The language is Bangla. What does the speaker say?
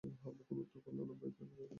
হাবলু কোনো উত্তর করলে না, ভয় পেয়ে গেল।